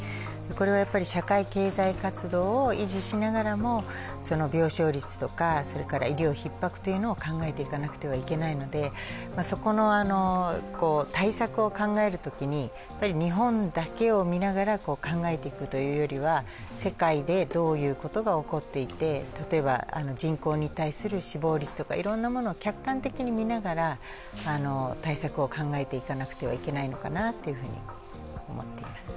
これは社会経済活動を維持しながらも、病床率とか、医療ひっ迫を考えていかなくてはいけないのでそこの対策を考えるときに、日本だけを見ながら考えていくというよりは、世界でどういうことが起こっていて、例えば人口に対する死亡率とか、いろんなものを客観的に見ながら対策を考えていかなくてはいけないのかなと思っています。